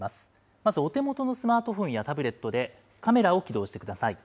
まず、お手元のスマートフォンやタブレットでカメラを起動してください。